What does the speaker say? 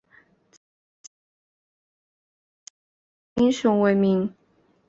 机场以印度尼西亚民族英雄为名。